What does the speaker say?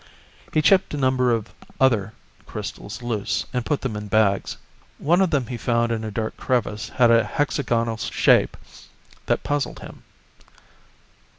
He chipped a number of other crystals loose and put them in bags. One of them he found in a dark crevice had a hexagonal shape that puzzled him.